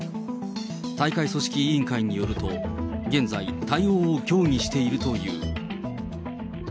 大会組織委員会によると、現在、対応を協議しているという。